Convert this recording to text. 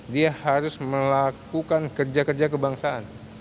dia harus melakukan kerja kerja kebangsaan